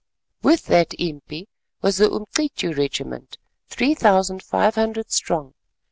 With that impi was the Umcityu regiment, three thousand five hundred strong.